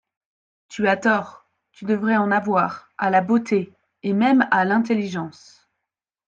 Tu as tort ; tu devrais en avoir, à la beauté, et même à l'intelligence.